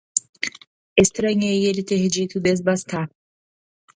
Estranhei ele ter dito “desbastar”.